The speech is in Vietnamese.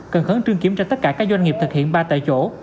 cần khẩn trương kiểm tra tất cả các doanh nghiệp thực hiện ba tại chỗ